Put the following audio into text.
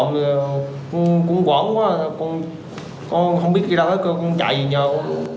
mà cũng quẩn quá không biết đi đâu không chạy gì đâu